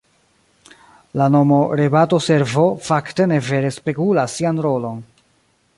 La nomo "Rebato-Servo" fakte ne vere spegulas sian rolon.